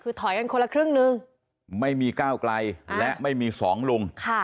คือถอยกันคนละครึ่งนึงไม่มีก้าวไกลและไม่มีสองลุง